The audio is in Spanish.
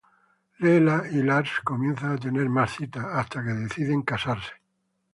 Leela y Lars comienzan a tener más citas, hasta que deciden casarse.